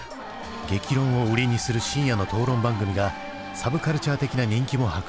激論を売りにする深夜の討論番組がサブカルチャー的な人気も博していた。